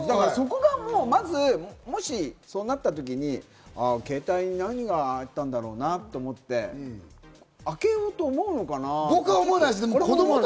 そこがもしそうなった時に携帯に何があったんだろうなぁと思って、開けようと思うのかなって。